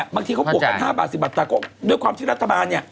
บางทีเขาปลูกตั้ง๕บาท๑๐บาทแต่ด้วยความที่รัฐบาล